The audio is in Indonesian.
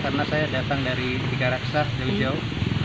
karena saya datang dari tiga raksasa jauh jauh